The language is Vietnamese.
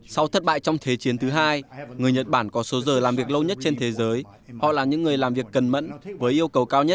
sau thất bại trong thế chiến thứ hai người nhật bản có số giờ làm việc lâu nhất trên thế giới họ là những người làm việc cẩn mẫn với yêu cầu cao nhất